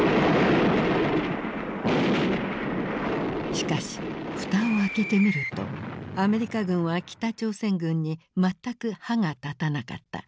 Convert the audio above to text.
しかしふたを開けてみるとアメリカ軍は北朝鮮軍に全く歯が立たなかった。